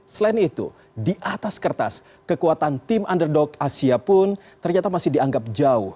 selain itu di atas kertas kekuatan tim underdog asia pun ternyata masih dianggap jauh